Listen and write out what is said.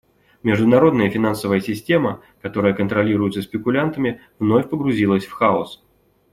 Международная финансовая система, которая контролируется спекулянтами, вновь погрузилась в хаос.